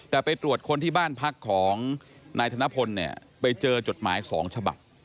แต่ไปตรวจคนที่บ้านพักของนายธนพลเนี่ยไปเจอจดหมาย๒ฉบับ